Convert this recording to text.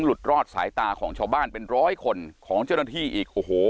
หลุดรอดสายตาของชาวบ้านเป็นร้อยคนของเจ้าหน้าที่อีกโอ้โห